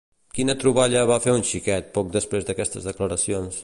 Quina troballa va fer un xiquet poc després d'aquestes declaracions?